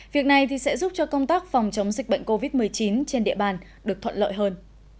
việc này sẽ giúp cho công tác phòng chống dịch bệnh covid một mươi chín trên địa bàn được thuận lợi hơn